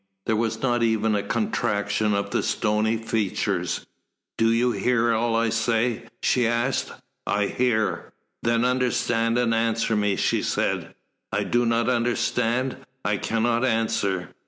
There was not even a contraction of the stony features. "Do you hear all I say?" she asked. "I hear." "Then understand and answer me," she said. "I do not understand. I cannot answer."